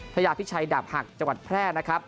ยาพิชัยดาบหักจังหวัดแพร่นะครับ